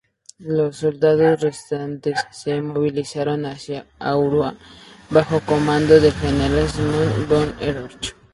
Los soldados restantes se movilizaron hacia Aarau bajo comando del general Sigmund von Erlach.